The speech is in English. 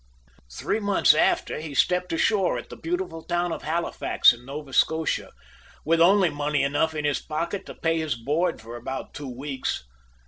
Three months after he stepped ashore at the beautiful town of Halifax in Nova Scotia, with only money enough in his pocket to pay his board for about two weeks.